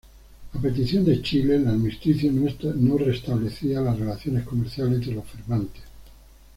A petición de Chile el armisticio no restablecía las relaciones comerciales entre los firmantes.